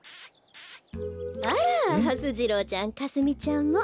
あらはす次郎ちゃんかすみちゃんも。